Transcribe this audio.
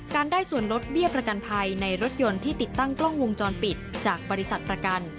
ได้ส่วนลดเบี้ยประกันภัยในรถยนต์ที่ติดตั้งกล้องวงจรปิดจากบริษัทประกัน